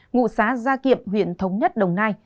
ngụ xá gia kiệm huyện thống nhất đồng nai